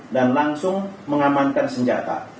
langsung mengamankan senjata